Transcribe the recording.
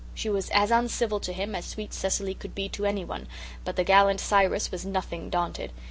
She was as uncivil to him as sweet Cecily could be to anyone, but the gallant Cyrus was nothing daunted.